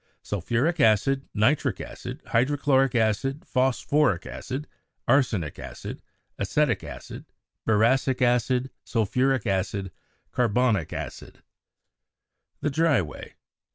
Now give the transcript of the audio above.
Sulphuric acid Nitric acid Hydrochloric acid Phosphoric acid Arsenic acid Acetic acid Boracic acid Sulphuric acid Carbonic acid Dry way.